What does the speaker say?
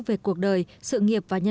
về cuộc đời sự nghiệp và nhân cách